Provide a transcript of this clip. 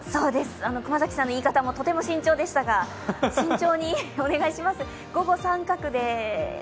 熊崎さんの言い方もとても慎重でしたが、慎重にお願いします。